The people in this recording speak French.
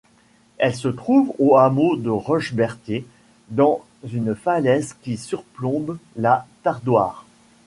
Elle se trouve au hameau de Rochebertier, dans une falaise qui surplombe la Tardoire.